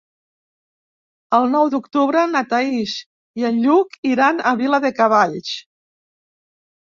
El nou d'octubre na Thaís i en Lluc iran a Viladecavalls.